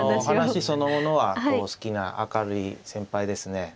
話そのものは好きな明るい先輩ですね。